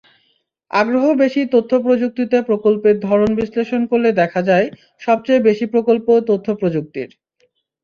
আগ্রহ বেশি তথ্যপ্রযুক্তিতেপ্রকল্পের ধরন বিশ্লেষণ করলে দেখা যায়, সবচেয়ে বেশি প্রকল্প তথ্যপ্রযুক্তির।